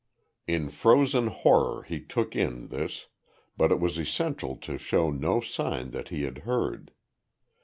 In frozen horror he took in this, but it was essential to show no sign that he had heard.